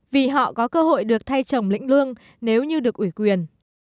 vì họ có cơ hội được thay chồng lĩnh lương nếu như được ủy quyền